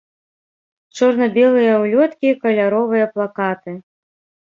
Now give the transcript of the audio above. Чорна-белыя ўлёткі і каляровыя плакаты.